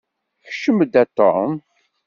Kcem-d, a Tom.